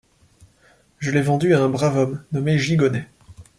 Je l’ai vendu à un brave homme nommé Gigonnet.